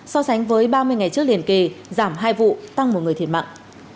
so sánh với ba mươi ngày trước liền kề giảm hai vụ tăng một người thiệt mạng